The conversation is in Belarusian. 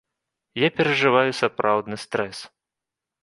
Я перажываю сапраўдны стрэс.